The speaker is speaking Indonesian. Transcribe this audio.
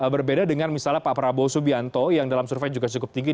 berbeda dengan misalnya pak prabowo subianto yang dalam survei juga cukup tinggi